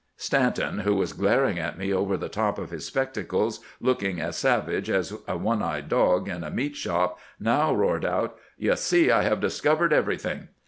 Stanton, who was glaring at me over the top of his spec tacles, looking as savage as a one eyed dog in a meat shop, now roared out, ' You see I have discovered every thing